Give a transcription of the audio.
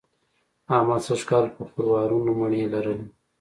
احمد سږ کال په خروارونو مڼې لرلې.